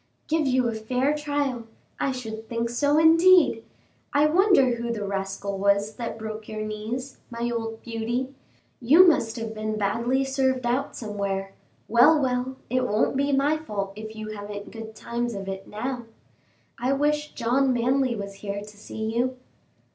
"Give you a fair trial! I should think so, indeed! I wonder who the rascal was that broke your knees, my old Beauty! you must have been badly served out somewhere; well, well, it won't be my fault if you haven't good times of it now. I wish John Manly was here to see you."